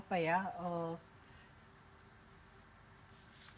mereka yang sudah mendapatkan apa ya